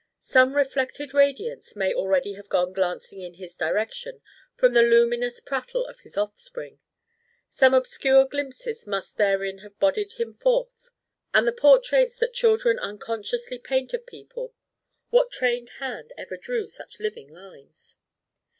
Some reflected radiance may already have gone glancing in his direction from the luminous prattle of his offspring; some obscure glimpses must therein have bodied him forth: and the portraits that children unconsciously paint of people what trained hand ever drew such living lines?